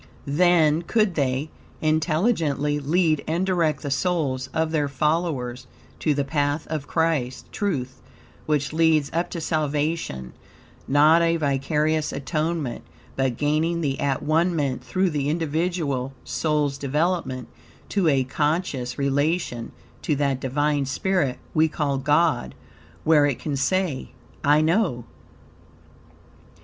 Then could they, intelligently, lead and direct the souls of their followers to the path of Christ (Truth), which leads up to salvation; not a vicarious atonement, but gaining the at one ment through the individual soul's development to a conscious relation, to that Divine spirit, we call God, where it can say "I know."